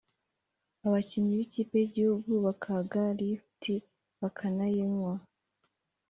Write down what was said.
Abakinnyi b'ikipe y'igihugu bakaga lifuti (lift) bakanayimwa